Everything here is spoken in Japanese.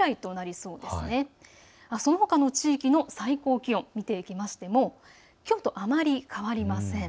そのほかの地域の最高気温を見ていきましても、きょうとあまり変わりません。